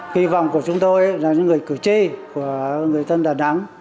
kỳ vọng của chúng tôi là những người cử tri của người tân đà nẵng